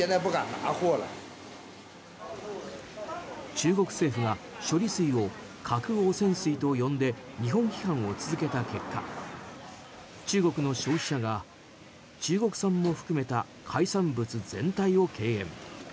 中国政府が処理水を核汚染水と呼んで日本批判を続けた結果中国の消費者が中国産も含めた海産物全体を敬遠。